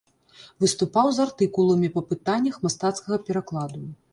Выступаў з артыкуламі па пытаннях мастацкага перакладу.